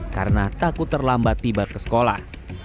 karena takut terlambat tiba ke sekolah